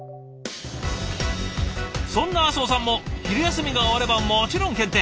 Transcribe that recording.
そんな麻生さんも昼休みが終わればもちろん検定。